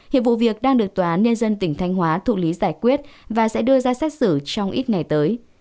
hiện vụ việc đang được tòa án nhân dân tỉnh thanh hóa thụ lý giải quyết và sẽ đưa ra xét xử trong ít ngày tới